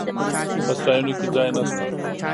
په سرایونو کې ځای نسته.